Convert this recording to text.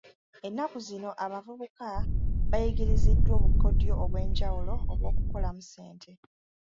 Ennaku zino abavubuka bayigiriziddwa obukodyo obwenjawulo obw'okukolamu ssente